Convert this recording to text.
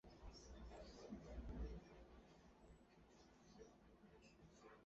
但在一些巴洛克时期的音乐中会写在最下的空位。